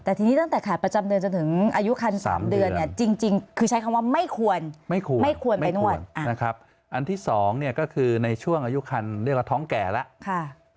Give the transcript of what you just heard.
แต่ทีนี้ตั้งแต่ขาดประจำเดือนจนถึงอายุคัน๓เดือนเนี่ยจริงคือใช้คำว่าไม่ควรไม่ควรไปนวดนะครับอันที่สองเนี่ยก็คือในช่วงอายุคันเรียกว่าท้องแก่แล้ว